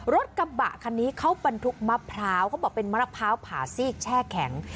รถกระบะคันนี้เขาบรรทุกมะพร้าวเขาบอกเป็นมะพร้าวผ่าซีกแช่แข็ง